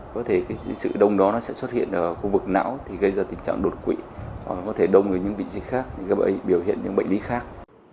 có thể sự đông đó sẽ xuất hiện ở khu vực não gây ra tình trạng đột quỵ có thể đông ở những vị trí khác biểu hiện những bệnh lý khác